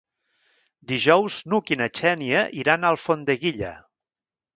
Dijous n'Hug i na Xènia iran a Alfondeguilla.